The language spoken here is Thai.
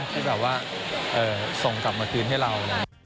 ที่แบบว่าส่งกลับมาคืนให้เรา